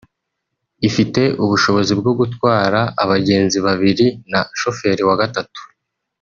Ifite ubushobozi bwo gutwara abagenzi babiri na shoferi wa gatatu